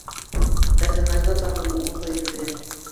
Хәҙер ҡайҙан табырмын ундай ирҙе?